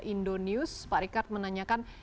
indonews pak rikard menanyakan